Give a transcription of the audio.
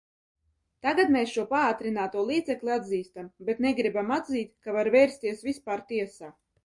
Tagad mēs šo paātrināto līdzekli atzīstam, bet negribam atzīt, ka var vērsties vispār tiesā.